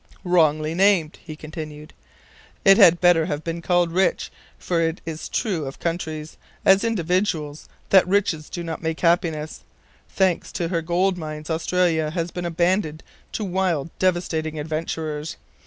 "Wrongly named!" he continued. "It had better have been called rich, for it is true of countries, as individuals, that riches do not make happiness. Thanks to her gold mines, Australia has been abandoned to wild devastating adventurers.